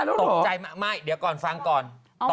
ตกใจไม่เดี๋ยวก่อนฟังก่อน